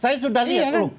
saya sudah lihat